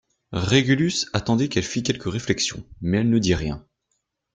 Régulus attendait qu'elle fit quelque réflexion, mais elle ne dit rien.